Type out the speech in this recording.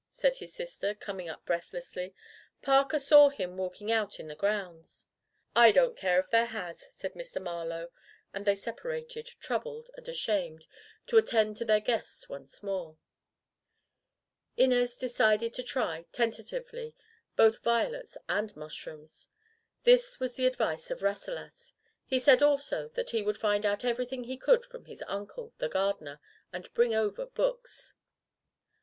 said his sister, coming up breath lessly. "Parker saw him walking out in the grounds." "I don't care if there has," said Mr. Mar lowe, and they separated, troubled and [i88] Digitized by LjOOQ IC Rasselas in the Vegetable Kingdom ashamed, to attend to their guests once more. Inez decided to try, tentatively, both violets and mushrooms. This was the advice of Rasselas. He said, also, that he would find out everything he could from his uncle, the gardener, and bring over books.